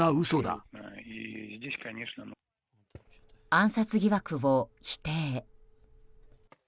暗殺疑惑を否定。